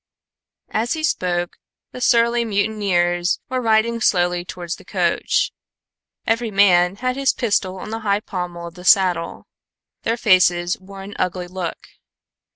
As he spoke, the surly mutineers were riding slowly towards the coach. Every man had his pistol on the high pommel of the saddle. Their faces wore an ugly look.